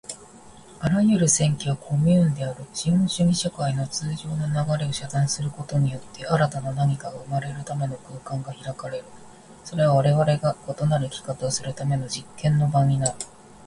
あらゆる占拠はコミューンである。資本主義社会の通常の流れを遮断することによって、新たな何かが生まれるための空間が開かれる。それはわれわれが異なる生き方をするための実験の場になる。